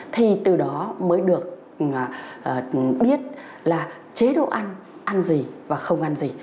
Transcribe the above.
thì từ đó mới được biết là chế độ ăn ăn gì và không ăn gì